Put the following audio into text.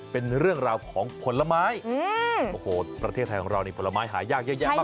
เป็นเรื่องราวของผลไม้โอ้โหประเทศไทยของเรานี่ผลไม้หายากเยอะแยะมาก